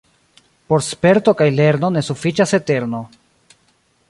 Por sperto kaj lerno ne sufiĉas eterno.